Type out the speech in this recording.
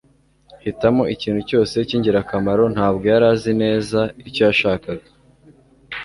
hitamo ikintu cyose cyingirakamaro. ntabwo yari azi neza icyo yashakaga